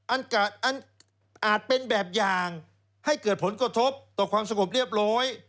อาจเป็นแบบอย่างให้เกิดผลกระทบต่อความสงบเรียบร้อย